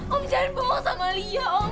om jangan bohong sama liliah om